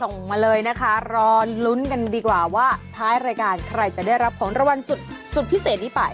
ส่งมาเลยนะคะรอลุ้นกันดีกว่าว่าท้ายรายการใครจะได้รับของรางวัลสุดพิเศษนี้ไป